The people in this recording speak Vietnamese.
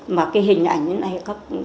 mà cái hình ảnh như này các